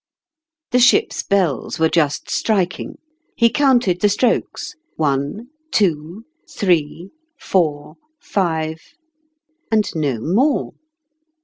The ship's bells were just striking ; he counted the strokes: one, two, three, four, five and no more!